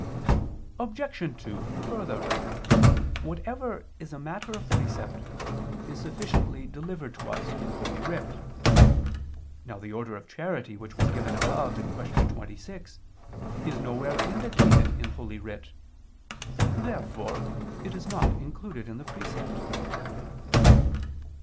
Obj. 2: Further, whatever is a matter of precept is sufficiently delivered to us in Holy Writ. Now the order of charity which was given above (Q. 26) is nowhere indicated in Holy Writ. Therefore it is not included in the precept.